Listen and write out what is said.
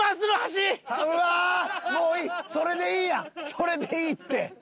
それでいいって。